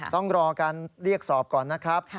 ต้องรอการเรียกสอบก่อนนะครับ